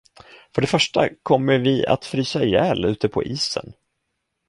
För det första kommer vi att frysa ihjäl ute på isen.